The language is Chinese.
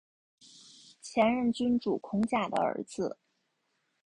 前任君主孔甲的儿子。